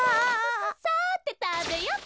さてたべようっと。